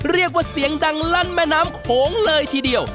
เรียกว่าเสียงดังลั่นแม่น้ำโขงเลยทีเดียว